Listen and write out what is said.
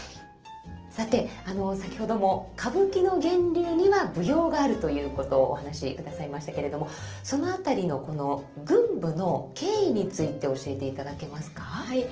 さて先ほども歌舞伎の源流には舞踊があるということをお話しくださいましたけれどもその辺りのこの群舞の経緯について教えていただけますか？